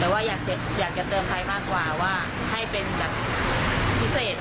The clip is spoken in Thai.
แต่ว่าอยากเสียอยากจะเติมใครมากกว่าว่าให้เป็นแบบพิเศษเลย